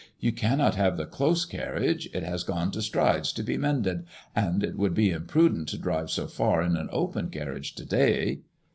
You cannot have the close carriage ; it has gone to Strides to be mended, and it would be imprudent to drive so far in an open carriage to day.